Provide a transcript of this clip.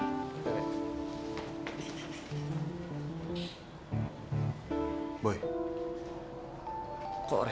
kalau gua ketangkep waduh udah